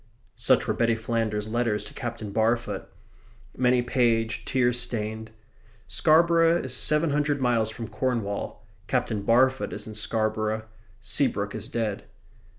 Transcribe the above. Such were Betty Flanders's letters to Captain Barfoot many paged, tear stained. Scarborough is seven hundred miles from Cornwall: Captain Barfoot is in Scarborough: Seabrook is dead.